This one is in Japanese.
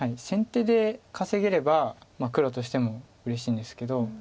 先手で稼げれば黒としてもうれしいんですけど。